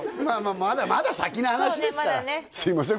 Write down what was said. まだまだ先の話ですからそうねまだねすいません